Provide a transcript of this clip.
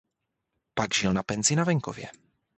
Pak žil na penzi na venkově.